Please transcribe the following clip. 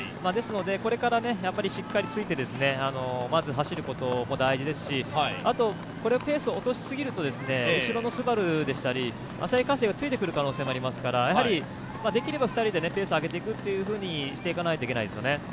ですのでこれからしっかりついて、まず走ることも大事ですし、あと、ペースを落としすぎると後ろのＳＵＢＡＲＵでしたり旭化成がついてくる可能性がありますから、できれば２人でペースを上げていくというふうにしていかないといけないですよね。